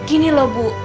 gini loh bu